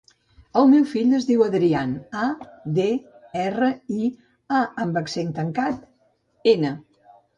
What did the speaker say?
El meu fill es diu Adrián: a, de, erra, i, a amb accent tancat, ena.